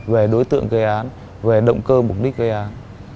về đối tượng gây án về động cơ mục đích gây án